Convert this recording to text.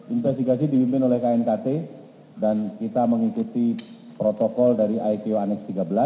investigasi diwimpin oleh knkt dan kita mengikuti protokol dari iko annex tiga belas